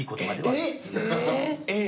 えっ！